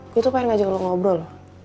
gue tuh pengen ngajak lo ngobrol